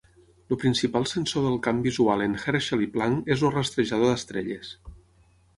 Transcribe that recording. El principal sensor del camp visual en "Herschel" i "Planck" és el rastrejador d'estrelles.